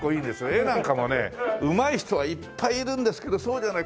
絵なんかもねうまい人はいっぱいいるんですけどそうじゃない。